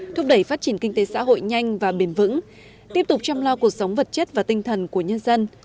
thúc đẩy phát triển kinh tế xã hội nhanh và bền vững tiếp tục chăm lo cuộc sống vật chất và tinh thần của nhân dân